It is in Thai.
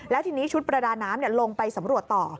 แล้วทีนี้ชุดประดาน้ำลงไปสำรวจต่อ